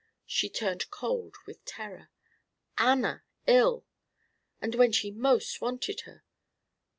She turned cold with terror. Anna ill! And when she most wanted her!